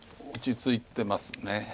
落ち着いてます。